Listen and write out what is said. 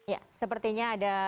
ya sepertinya ada